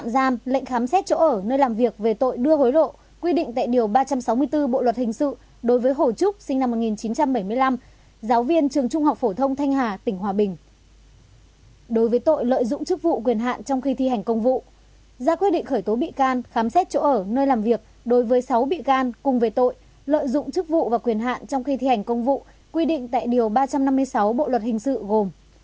đối với tội lợi dụng chức vụ quyền hạn trong khi thi hành công vụ ra quy định khởi tố bị can khám xét chỗ ở nơi làm việc đối với sáu bị can cùng với tội lợi dụng chức vụ và quyền hạn trong khi thi hành công vụ quy định tại điều ba trăm năm mươi sáu bộ luật hình sự gồm